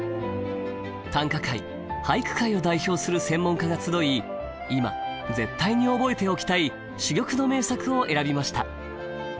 短歌界俳句界を代表する専門家が集い今絶対に覚えておきたい珠玉の名作を選びました。